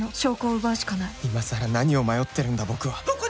今さら何を迷ってるんだ僕は。